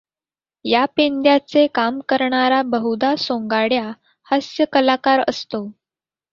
या पेंद्याचे काम करणारा बहुधा सोंगाड्या हास्य कलाकार असतो.